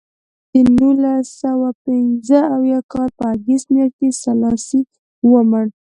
د نولس سوه پنځه اویا کال په اګست میاشت کې سلاسي ومړ.